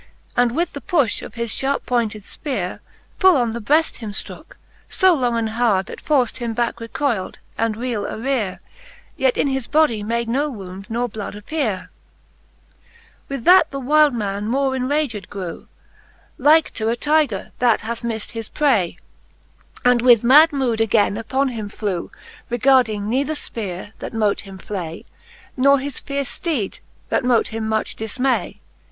And with the puili of his fharp pointed fpcare Full on the breaft him ftrooke, fo ftrong and hard,. That forft him back recoyle, and reale areare j Yet in his bodie made no wound nor bloud appear. VI. With Cant. IV. the Faerie Queene. Z^p VI. With that the wyld man more enraged grew,' Like to a Tygre, that hath mift his pray, And with mad mood again upon him flew ; Regarding neither fpeare, that mote him flay, Nor his fierce {teed, that mote him much diimay.